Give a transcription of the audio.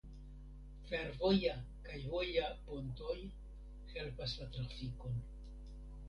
Fervoja kaj voja pontoj helpas la trafikon.